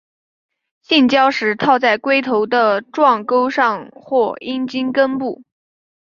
性交时套在龟头的状沟上或阴茎根部。